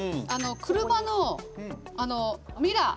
車のミラー。